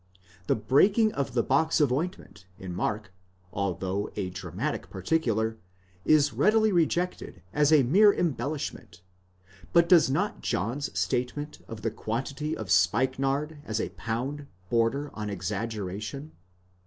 2° The breaking of the box of ointment, in Mark, although a dramatic particular, is readily rejected as a mere em bellishment ; but does not John's statement of the quantity of spikenard as a pound, border on exaggeration?